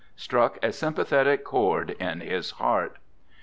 struck a sympathetic chord in his heart.